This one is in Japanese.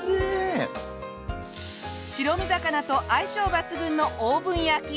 白身魚と相性抜群のオーブン焼き。